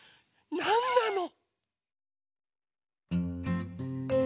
なんなの？